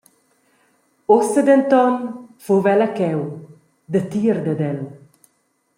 Ussa denton fuva ella cheu, datier dad el.